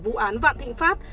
vụ án vạn thịnh pháp